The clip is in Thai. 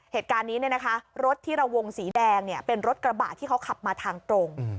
เหตุการณ์นี้รถที่ระวงสีแดงเป็นรถกระบะที่เขาขับมาทางตรง